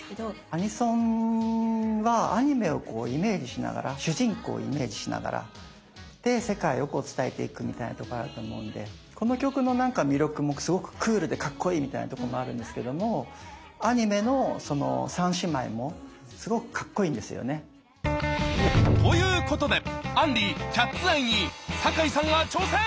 アニソンはアニメをこうイメージしながら主人公をイメージしながら世界をこう伝えていくみたいなとこあると思うんでこの曲の魅力もすごくクールでかっこいいみたいなとこもあるんですけどもアニメのその三姉妹もすごくかっこいいんですよね。ということで杏里「ＣＡＴ’ＳＥＹＥ」に坂井さんが挑戦！